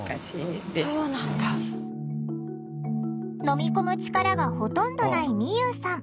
飲み込む力がほとんどないみゆうさん。